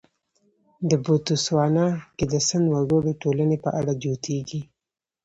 د بوتسوانا کې د سن وګړو ټولنې په اړه جوتېږي.